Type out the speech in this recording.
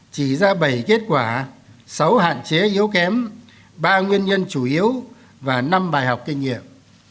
chỉ ra bảy kết quả sáu hạn chế yếu kém ba nguyên nhân chủ yếu và năm bài học kinh nghiệm